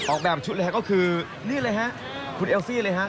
ออกแบบชุดเลยก็คือนี่เลยครับคุณเอลซี่เลยครับ